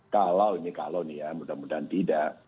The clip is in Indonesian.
kalau ini kalau nih ya mudah mudahan tidak